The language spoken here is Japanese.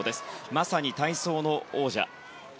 まさに体操の王者。